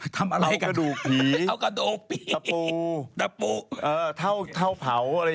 ทำสดสดในรายการเลย